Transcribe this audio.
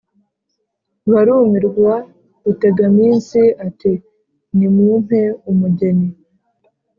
barumirwa ! rutegaminsi ati: “nimumpe umugeni.